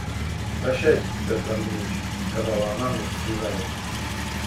«Прощайте, Петр Андреич! – сказала она мне со слезами.